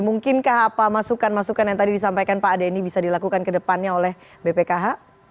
mungkinkah apa masukan masukan yang tadi disampaikan pak denny bisa dilakukan ke depannya oleh bpkh